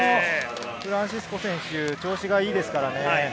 フランシスコ選手、調子がいいですからね。